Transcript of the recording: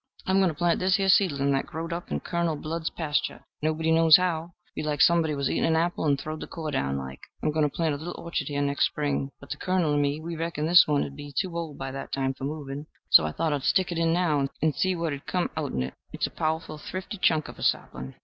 "I'm going to plant this here seedlin', that growed up in Colonel Blood's pastur', nobody knows how: belike somebody was eatin' an apple and throwed the core down like. I'm going to plant a little orchard here next spring, but the colonel and me, we reckoned this one 'ud be too old by that time for moving, so I thought I'd stick it in now, and see what come out'n it. It's a powerful thrifty chunk of a saplin'."